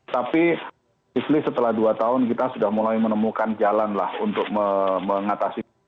tapi setelah dua tahun kita sudah mulai menemukan jalan lah untuk mengatasi